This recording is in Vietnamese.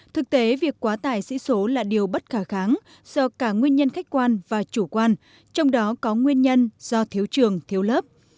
thực tế việc quá tải sĩ số là điều bất khả kháng do cả nguyên nhân khách quan và chủ quan trong đó có nguyên nhân do thiếu trường thiếu lớp